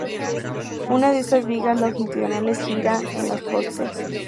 Una de estas vigas longitudinales gira en los postes.